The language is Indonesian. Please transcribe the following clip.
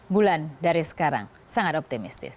dua belas bulan dari sekarang sangat optimistis